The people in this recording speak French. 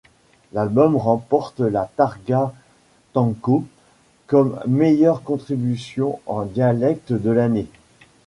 L'album remporte la Targa Tenco comme meilleure contribution en dialecte de l'année.